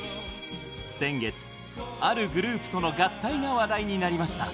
先月あるグループとの合体が話題になりました。